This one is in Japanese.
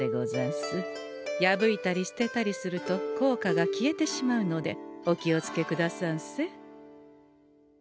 破いたり捨てたりすると効果が消えてしまうのでお気を付けくださんせ。